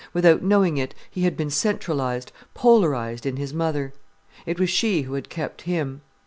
Without knowing it, he had been centralized, polarized in his mother. It was she who had kept him.